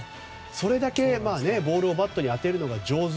それだけボールをバットに当てるのが上手。